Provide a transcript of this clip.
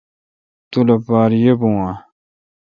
تو لوپار ییبو اؘ۔